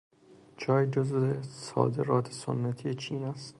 چای جزو صادرات سنتی چین است.